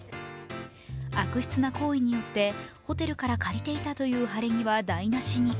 悪質な行為によってホテルから借りていたという晴れ着は台無しに。